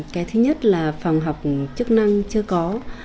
cái thứ nhất là phòng học chức năng chưa có